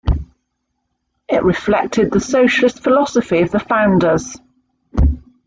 It reflected the socialist philosophy of the founders.